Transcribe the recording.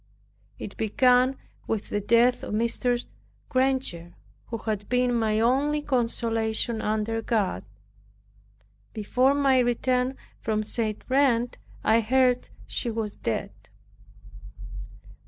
It began with the death of Mrs. Granger, who had been my only consolation under God. Before my return from St. Reine I heard she was dead.